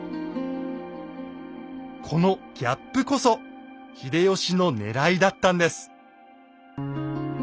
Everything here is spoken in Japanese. このギャップこそ秀吉のねらいだったんです。